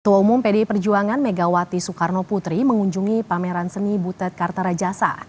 ketua umum pdi perjuangan megawati soekarno putri mengunjungi pameran seni butet kartarajasa